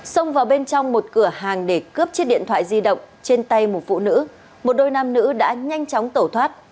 xông vào bên trong một cửa hàng để cướp chiếc điện thoại di động trên tay một phụ nữ một đôi nam nữ đã nhanh chóng tẩu thoát